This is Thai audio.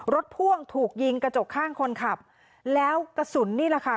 พ่วงถูกยิงกระจกข้างคนขับแล้วกระสุนนี่แหละค่ะ